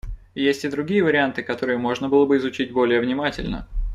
Есть и другие варианты, которые можно было бы изучить более внимательно.